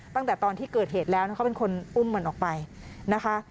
ตั้งแต่ตอนที่เกิดเหตุแล้วนะเขาเป็นคนอุ้มมันออกไปนะคะ